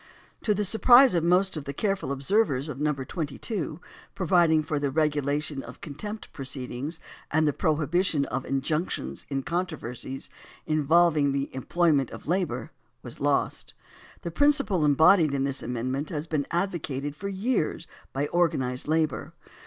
To the surprise of the most careful observers No. 22, providing for the regulation of contempt proceedings and the prohibition of injunc tions in controversies involving the employment of labor, was lost. The principle embodied in this amendment has been advocated for years by organized labor.